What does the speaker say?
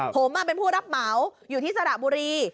ผมเป็นผู้รับเหมาอยู่ที่สระบุรี